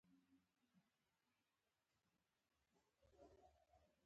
• شنې سترګې د طبیعت سره تړلې ښکلا لري.